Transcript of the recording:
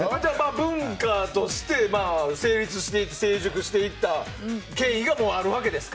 文化として成立して成熟していった経緯があるわけですか。